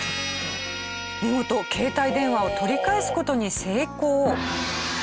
見事携帯電話を取り返す事に成功。